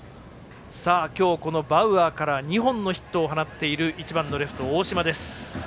今日、バウアーから２本のヒットを放っている１番のレフト、大島。